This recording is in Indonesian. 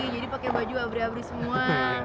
jadi pake baju abri abri semua